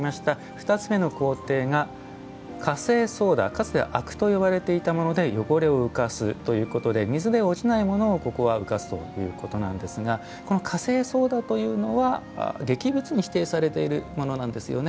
２つ目の工程がカセイソーダでかつては灰汁と呼ばれていたもので汚れを浮かすということで水で落ちないものをここは浮かすということなんですがこのカセイソーダというのは劇物に指定されているものなんですよね。